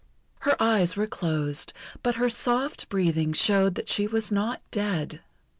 Her eyes were closed, but her soft breathing showed that she was not dead.